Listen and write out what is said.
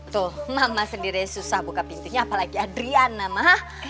tuh mama sendiri yang susah buka pintunya apalagi adriana ma